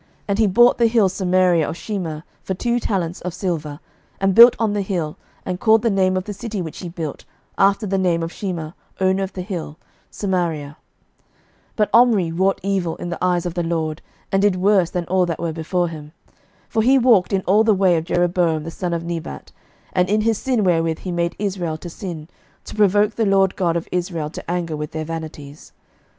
11:016:024 And he bought the hill Samaria of Shemer for two talents of silver, and built on the hill, and called the name of the city which he built, after the name of Shemer, owner of the hill, Samaria. 11:016:025 But Omri wrought evil in the eyes of the LORD, and did worse than all that were before him. 11:016:026 For he walked in all the way of Jeroboam the son of Nebat, and in his sin wherewith he made Israel to sin, to provoke the LORD God of Israel to anger with their vanities.